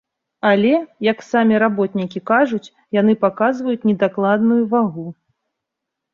Але, як самі работнікі кажуць, яны паказваюць недакладную вагу.